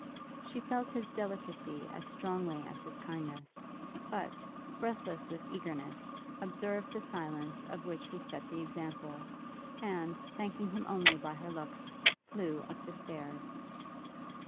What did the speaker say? She felt his delicacy as strongly as his kindness, but, breathless with eagerness, observed the silence of which he set the example, and, thanking him only by her looks, flew up stairs.